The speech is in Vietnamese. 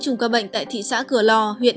chủng ca bệnh tại thị xã cửa lò huyện